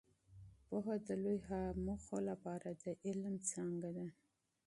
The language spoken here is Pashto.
پوهه د لوی هدفونو لپاره د علم څانګه ده.